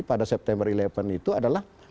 pada september sebelas itu adalah